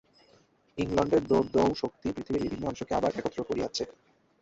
ইংলণ্ডের দোর্দণ্ড শক্তি পৃথিবীর বিভিন্ন অংশকে আবার একত্র করিয়াছে।